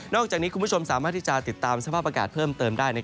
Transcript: อกจากนี้คุณผู้ชมสามารถที่จะติดตามสภาพอากาศเพิ่มเติมได้